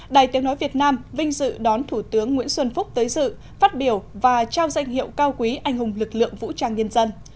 đài tiếng nói việt nam vinh dự đón thủ tướng nguyễn xuân phúc tới dự phát biểu và trao danh hiệu cao quý anh hùng lực lượng vũ trang nhân dân